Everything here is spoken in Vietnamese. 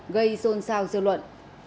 gây rôn sao dư luận